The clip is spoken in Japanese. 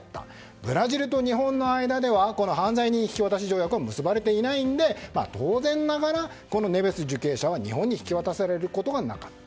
ブラジルと日本の間では犯罪人引き渡し条約が結ばれていないので当然ながらネベス受刑者は日本に引き渡されることはなかった。